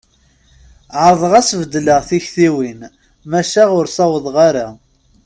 Ɛerḍeɣ ad s-beddleɣ tiktiwin, maca ur ssawḍeɣ ara.